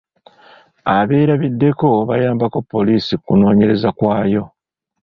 Abeerabiddeko bayambako poliisi kunoonyereza kwayo.